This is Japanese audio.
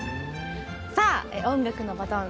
さあ音楽のバトン